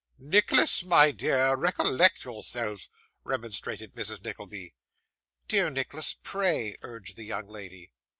'Nicholas, my dear, recollect yourself,' remonstrated Mrs. Nickleby. 'Dear Nicholas, pray,' urged the young lady.